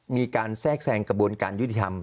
มีการแทรกแทรงกระบวนวินทรรม